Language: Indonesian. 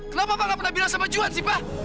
kenapa pa nggak pernah bilang sama juan sih pa